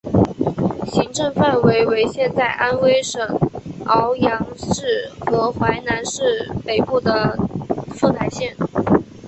行政范围为现在安徽省阜阳市和淮南市北部的凤台县。